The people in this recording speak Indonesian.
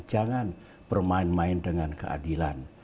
jangan bermain main dengan keadilan